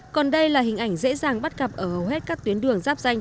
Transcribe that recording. còn đây là hình ảnh dễ dàng bắt gặp ở hầu hết các tuyến đường giáp danh